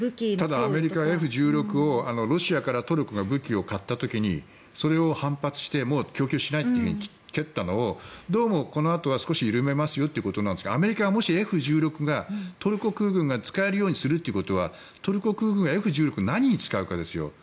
アメリカはＦ１６をロシアからトルコが武器を買った時にそれを反発してもう供給しないって蹴ったのをどうもこのあとは少し緩めますよということなんですがアメリカがもしＦ１６をトルコ空軍が使えるようにするということはトルコ空軍はＦ１６を何に使うかですよ。